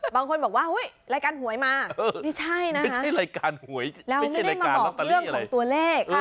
บางคนบอกว่าหุ้ยรายการหวยมาไม่ใช่นะฮะเราไม่ได้มาบอกเรื่องของตัวเลข